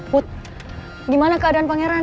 put gimana keadaan pangeran